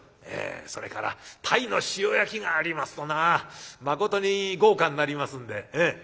「えそれから鯛の塩焼きがありますとなまことに豪華になりますんで。